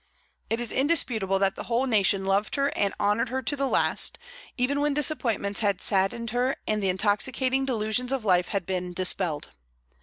It is indisputable that the whole nation loved her and honored her to the last, even when disappointments had saddened her and the intoxicating delusions of life had been dispelled.